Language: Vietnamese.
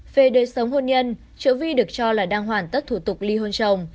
về đời sống hôn nhân triệu vi được cho là đang hoàn tất thủ tục ly hôn chồng